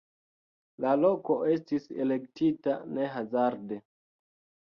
La loko estis elektita ne hazarde.